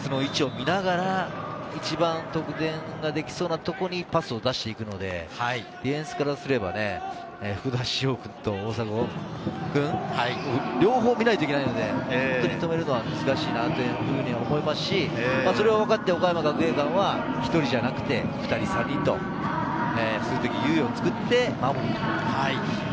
常に前を見て、ディフェンスの位置を見ながら、一番得点ができそうなところにパスを出して行くので、ディフェンスからすれば、福田師王君と大迫君を両方見ないといけないので、本当に止めるのが難しいなと思いますし、岡山学芸館は１人じゃなくて２人、３人と数的優位を作って守る。